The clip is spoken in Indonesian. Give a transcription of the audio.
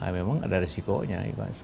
memang ada resikonya